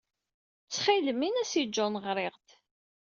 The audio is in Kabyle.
Ttxil-m, ini-as i John ɣriɣ-d.